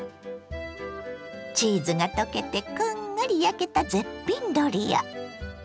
チーズが溶けてこんがり焼けた絶品ドリア。